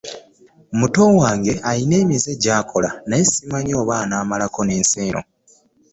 Muto wange alina emize gy'akola naye simanyi oba anaamalako n'ensi eno.